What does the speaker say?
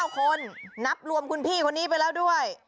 ๙คนนับรวมคุณพี่คนนี้ไปแล้วด้วย